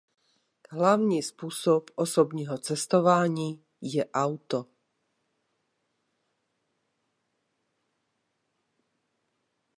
Hlavní způsob osobního cestování je auto.